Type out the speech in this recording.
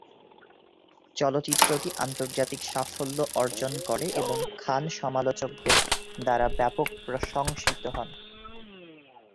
চলচ্চিত্রটি আন্তর্জাতিক সাফল্য অর্জন করে এবং খান সমালোচকদের দ্বারা ব্যাপক প্রশংসিত হন।